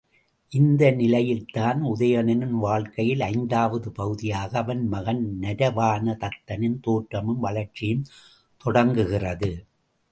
இந்த நிலையில்தான் உதயணனின் வாழ்க்கையில் ஐந்தாவது பகுதியாக அவன் மகன் நரவாண தத்தனின் தோற்றமும் வளர்ச்சியும் தொடங்குகிறது.